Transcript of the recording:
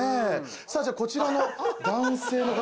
さぁじゃこちらの男性の方。